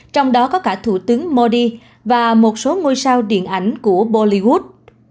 trong đó có cả thủ tướng modi và một số ngôi sao điện ảnh của bolivod